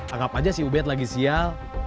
anggap aja si ubed lagi sial